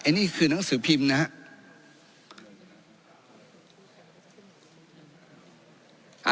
อันนี้คือหนังสือพิมพ์นะฮะ